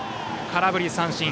空振り三振。